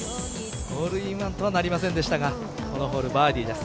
ホールインワンとはなりませんでしたがこのホール、バーディーです。